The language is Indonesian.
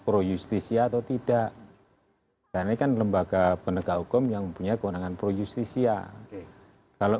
proyustisia atau tidak dan ikan lembaga penegak hukum yang punya kewenangan proyustisia kalau